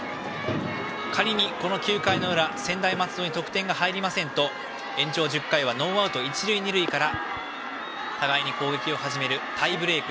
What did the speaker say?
仮に、この９回の裏専大松戸に得点が入りませんと延長１０回はノーアウト一塁二塁から互いの攻撃を始めるタイブレーク。